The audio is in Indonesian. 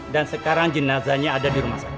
dan sekarang jenazahnya ada di rumah sakit